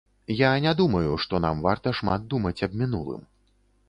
Я не думаю, што нам варта шмат думаць аб мінулым.